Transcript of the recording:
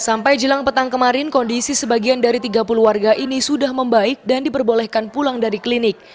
sampai jelang petang kemarin kondisi sebagian dari tiga puluh warga ini sudah membaik dan diperbolehkan pulang dari klinik